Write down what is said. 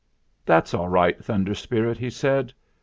"That's all right, Thunder Spirit," he said.